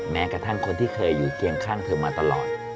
แม้กระทั่งคนที่เคยอยู่เคียงข้างเธอมาตลอด